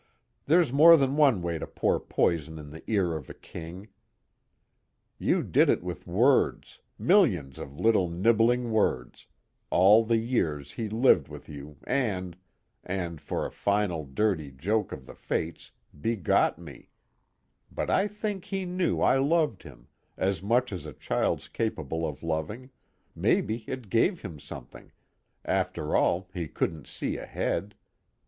There's more than one way to pour poison in the ear of a king. You did it with words, millions of little nibbling words, all the years he lived with you and and for a final dirty joke of the fates, begot me but I think he knew I loved him, as much as a child's capable of loving, maybe it gave him something, after all he couldn't see ahead.